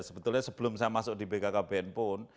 sebetulnya sebelum saya masuk di bkkbn pun